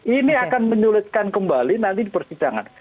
ini akan menyulitkan kembali nanti di persidangan